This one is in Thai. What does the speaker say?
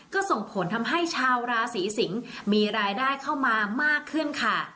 ก็ส่งผลทำให้ชาวราศีสิงศ์มีรายได้เข้ามามากขึ้นค่ะ